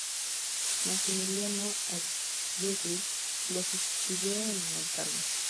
Massimiliano Allegri lo sustituyó en el cargo.